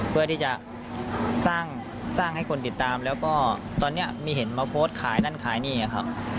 เพื่อที่จะสร้างให้คนติดตามแล้วก็ตอนนี้มีเห็นมาโพสต์ขายนั่นขายนี่ครับ